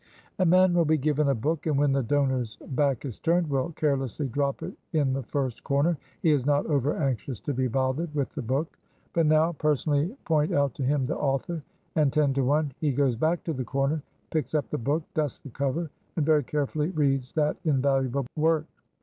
A man will be given a book, and when the donor's back is turned, will carelessly drop it in the first corner; he is not over anxious to be bothered with the book. But now personally point out to him the author, and ten to one he goes back to the corner, picks up the book, dusts the cover, and very carefully reads that invaluable work.